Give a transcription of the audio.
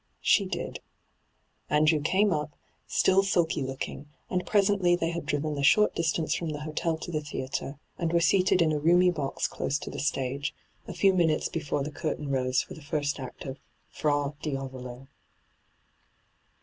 She did. Andrew came up, still sulky looking, and presently they had driven the short distance from the hotel to the theatre, and were seated in a roomy box close to the stage, a tew minutes before the curtain rose for the first act of ' Fra Diavolo.'